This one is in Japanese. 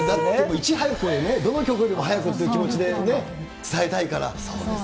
いち早くね、どの局よりも早くっていう気持ちでね、伝えたいから。